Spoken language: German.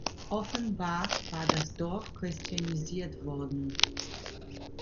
Offenbar war das Dorf christianisiert worden.